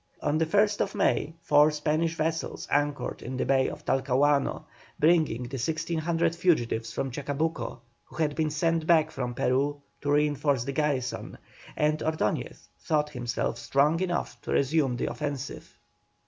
On the 1st May four Spanish vessels anchored in the Bay of Talcahuano, bringing the 1,600 fugitives from Chacabuco, who had been sent back from Peru to reinforce the garrison, and Ordoñez thought himself strong enough to resume the offensive.